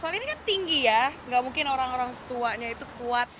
soal ini kan tinggi ya nggak mungkin orang orang tuanya itu kuat